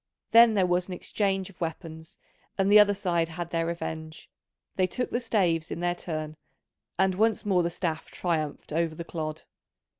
Then there was an exchange of weapons, and the other side had their revenge: they took the staves in their turn, and once more the staff triumphed over the clod.